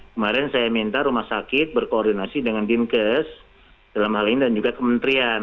kemarin saya minta rumah sakit berkoordinasi dengan dinkes dalam hal ini dan juga kementerian